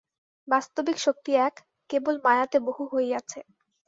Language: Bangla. বাস্তবিক শক্তি এক, কেবল মায়াতে বহু হইয়াছে।